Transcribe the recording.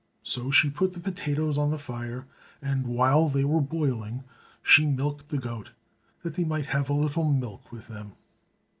Then she put the potatoes on the fire, and while they were boiling, she milked the goat, that they might have a little milk with them.